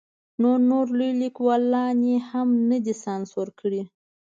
نو نور لوی لیکوالان یې هم نه دي سانسور کړي.